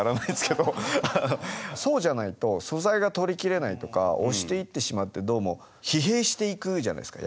そうじゃないと素材が撮り切れないとか押していってしまってどうも疲弊していくじゃないですか。